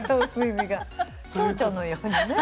チョウチョのようにね。